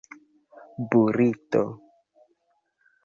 burito